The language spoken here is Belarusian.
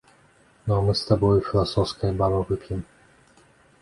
Ну, а мы з табою, філасофская баба, вып'ем!